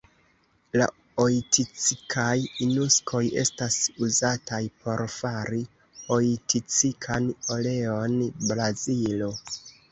La oiticikaj nuksoj estas uzataj por fari oiticikan oleon (Brazilo).